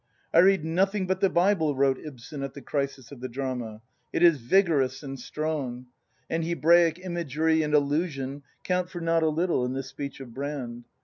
" I read nothing but the Bible," wrote Ibsen, at the crisis of the drama; "it is vig orous and strong"; and Hebraic imagery and allusion count for not a little in the speech of Brand.